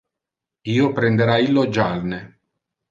Io prendera illo jalne.